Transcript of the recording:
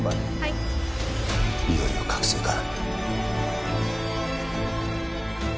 いよいよ覚醒か。